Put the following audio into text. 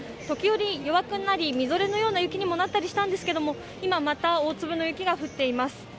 時折、弱くなり、みぞれのような雪になったりもしたんですが、今、また大粒の雪が降っています。